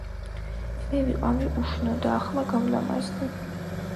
მე ვიყავი უშნო და ახლა გავლამაზდი